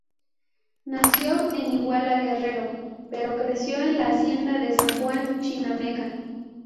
Nació en Iguala, Guerrero, pero creció en la Hacienda de San Juan Chinameca.